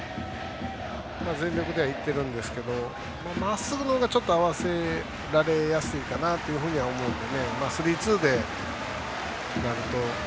全力で入ってるんですけどまっすぐのほうが合わせられやすいかなとは思うんでスリーツーになると。